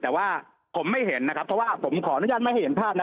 แต่ว่าผมไม่เห็นนะครับเพราะว่าผมขออนุญาตไม่ให้เห็นภาพนะ